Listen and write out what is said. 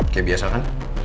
kayak biasa kan